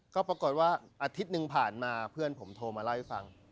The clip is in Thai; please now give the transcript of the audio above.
ก็ปรากฏว่าอาทิตย์หนึ่งผ่านมาเพื่อนผมโทรมาเล่าให้ฟัง